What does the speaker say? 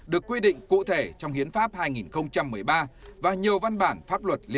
được quy định cụ thể trong hiến pháp hai nghìn chín